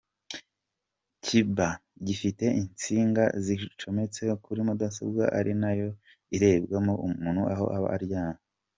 Kiba gifite insinga zicometse kuri mudasobwa ari na yo ireberwamo umuntu aho aba aryamye.